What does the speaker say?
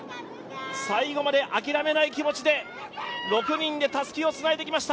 最後まで諦めない気持ちで６人でたすきをつないできました。